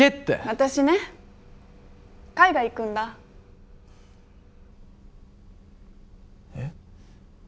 私ね海外行くんだ。え？